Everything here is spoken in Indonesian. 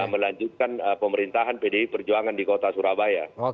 melanjutkan pemerintahan pdi perjuangan di kota surabaya